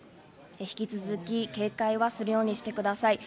引き続き警戒はするようにしてください。